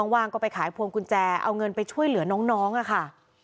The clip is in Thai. ว่างก็ไปขายพวงกุญแจเอาเงินไปช่วยเหลือน้องค่ะ